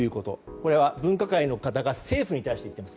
これは、分科会の方が政府に対して言っています。